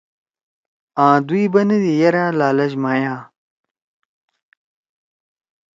آں دُوئی بندی یرأ لالچ مائیا۔